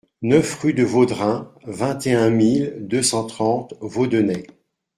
neuf rue de Vaudrin, vingt et un mille deux cent trente Voudenay